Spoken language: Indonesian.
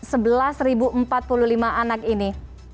apa yang terjadi dengan pendataan ini